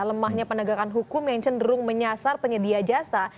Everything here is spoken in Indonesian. lemahnya penegakan hukum yang cenderung menyasar penyedia jasa